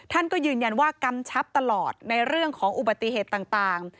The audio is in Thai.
ท่านก็ยืนยันว่ากำชับตลอดในเรื่องของอุบัติเหตุต่าง